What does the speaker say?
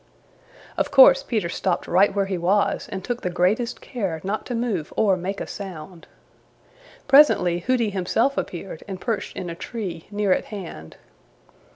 Of course Peter stopped right where he was and took the greatest care not to move or make a sound. Presently Hooty himself appeared and perched in a tree near at hand.